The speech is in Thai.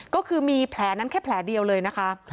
ก็คือมีแผลนั้นแค่แผลเดียวเลยนะคะ